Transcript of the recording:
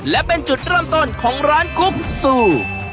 และเป็นจุดเริ่มต้นของร้านกุ๊กซู